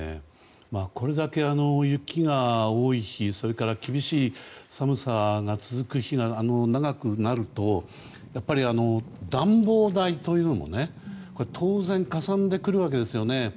これだけ雪が多い日厳しい寒さが続く日が長くなるとやっぱり暖房代というのも当然、かさんでくるわけですね。